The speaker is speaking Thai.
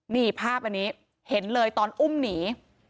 นี่ภาพอันนี้เห็นเลยตอนอุ้มหนี